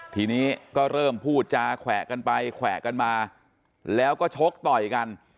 ทีนี้ก็เริ่มพูดจาแขวะกันไปแขวะกันมาแล้วก็ชกต่อยกัน